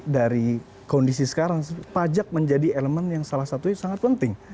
dari kondisi sekarang pajak menjadi elemen yang salah satunya sangat penting